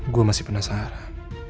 gue masih penasaran